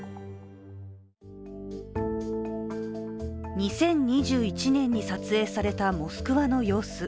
２０２１年に撮影されたモスクワの様子。